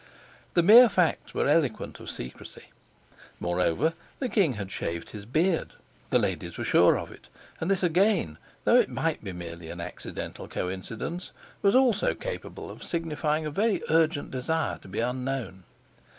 The mere facts were eloquent of secrecy. Moreover, the king had shaved his beard the ladies were sure of it and this, again, though it might be merely an accidental coincidence, was also capable of signifying a very urgent desire to be unknown.